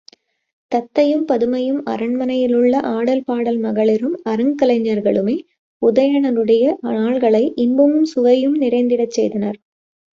தத்தையும் பதுமையும் அரண்மனையிலுள்ள ஆடல் பாடல் மகளிரும் அருங் கலைஞர்களுமே உதயணனுடைய நாள்களை இன்பமும் சுவையும் நிறைந்திடச் செய்தனர்.